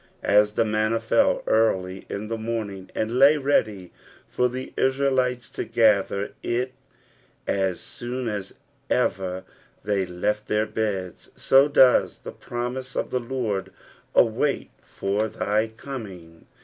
As the manna fell early in the morning, and lay ready for the Israelites to gather it as soon as ever they left their beds, so does the promise of the Lord wait for thy coming.